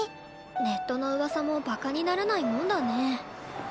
ネットの噂もバカにならないもんだね。